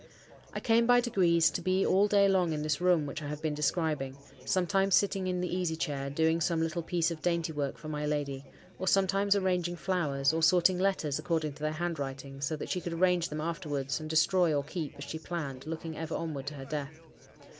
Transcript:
I came by degrees to be all day long in this room which I have been describing; sometimes sitting in the easy chair, doing some little piece of dainty work for my lady, or sometimes arranging flowers, or sorting letters according to their handwriting, so that she could arrange them afterwards, and destroy or keep, as she planned, looking ever onward to her death.